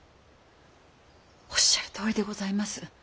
おっしゃるとおりでございます。